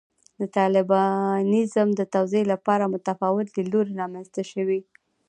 د طالبانیزم د توضیح لپاره متفاوت لیدلوري رامنځته شوي.